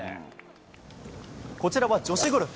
こちらは女子ゴルフ。